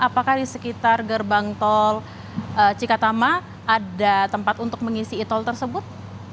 apakah di sekitar gerbang tol cikatama ada tempat untuk mengisi tol tersebut